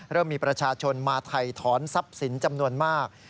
เริ่มมีประชาชนมาถ่ายถอนทรัพย์สินจำนวนมาก